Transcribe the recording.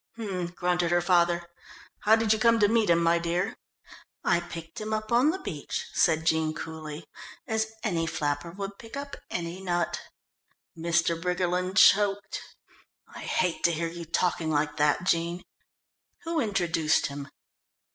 "H'm," grunted her father. "How did you come to meet him, my dear?" "I picked him up on the beach," said Jean coolly, "as any flapper would pick up any nut." Mr. Briggerland choked. "I hate to hear you talking like that, Jean. Who introduced him?"